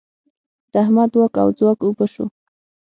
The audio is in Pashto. د احمد واک او ځواک اوبه شو.